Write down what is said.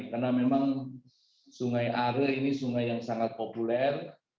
karena memang sungai are ini sungai yang sangat populer